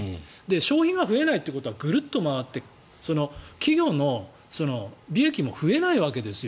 消費が増えないということはぐるっと回って企業の利益も増えないわけですよ。